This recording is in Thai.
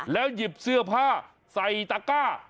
แล้วหยิบเสื้อผ้าใส่ตาก้า